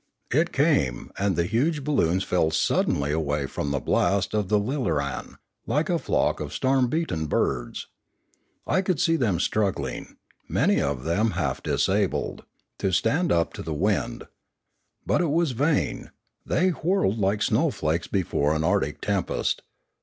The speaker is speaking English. It came, and the huge balloons fell suddenly away before the blast from the lilaran, like a flock of storm beaten birds. I could see them struggling, many of them half disabled, to stand up to the wind. But it was vain; they whirled like snowflakes before an arctic tempest.